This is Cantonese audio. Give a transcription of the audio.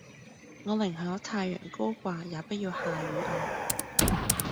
我寧可太陽高掛也不要下雨呀！